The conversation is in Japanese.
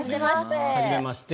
はじめまして。